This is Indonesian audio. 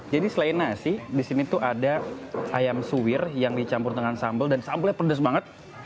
jadi selain nasi disini tuh ada ayam suir yang dicampur dengan sambal dan sambalnya pedes banget